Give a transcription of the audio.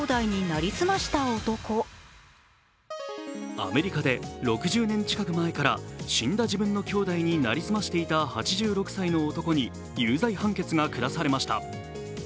アメリカで６０年近く前から死んだ自分の兄弟になりすましていた８６歳の男に有罪判決が下されました。